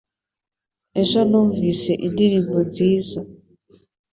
Ejo numvise indirimbo nziza